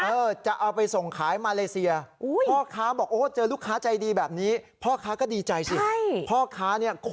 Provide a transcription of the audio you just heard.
เอามามาแวะที่ร้านผลไม้ตรงนี้